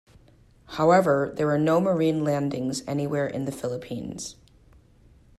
However, there were no Marine landings anywhere in the Philippines.